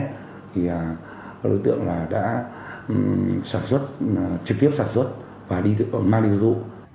thì đối tượng là đã sản xuất trực tiếp sản xuất và mang đi dụ